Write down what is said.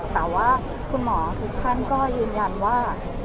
แต่ว่าคุณหมอทุกท่านก็ยืนยันว่า